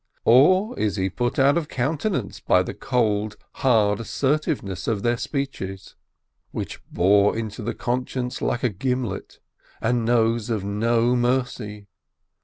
Or is he put out of countenance by the cold, hard assertiveness of their speech, which bores into the conscience like a gimlet, and knows of no mercy